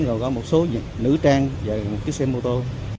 rồi có một số nữ trang và một chiếc xe mô tô